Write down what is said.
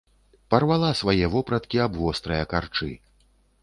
Парвала свае вопраткі аб вострыя карчы.